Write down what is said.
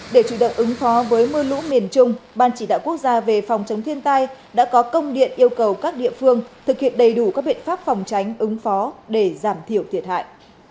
để chủ động ứng phó với mưa lũ miền trung ban chỉ đạo quốc gia về phòng chống thiên tai đã có công điện yêu cầu các địa phương thực hiện đầy đủ các biện pháp phòng tránh ứng phó để giảm thiểu thiệt hại